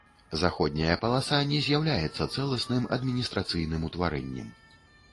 Заходняя паласа не з'яўляецца цэласным адміністрацыйным утварэннем.